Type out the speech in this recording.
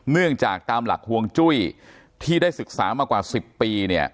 เนื่องจากตามหลักฮวงจุ้ยที่ได้ศึกษามากว่า๑๐ปี